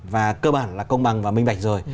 và cơ bản là công bằng và minh bạch rồi